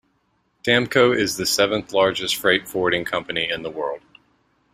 Damco is the seventh largest freight forwarding company in the world.